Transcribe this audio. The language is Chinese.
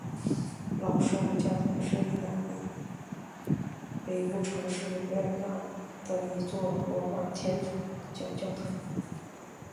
老圣母教堂是意大利北部城市维罗纳的一座罗马天主教教堂。